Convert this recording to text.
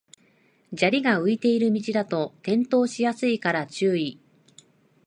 砂利が浮いてる道だと転倒しやすいから注意